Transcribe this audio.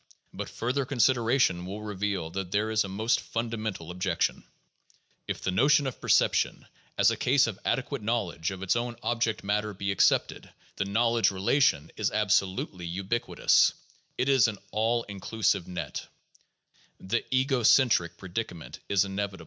But further consideration will reveal that there is a most fundamental objection. If the notion of perception as a case of ade quate knowledge of its own object matter be accepted, the knowledge relation is absolutely ubiquitous; it is an all inclusive net.